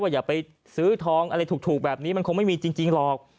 อย่าไปซื้อทองอะไรถูกแบบนี้มันคงไม่มีจริงหรอก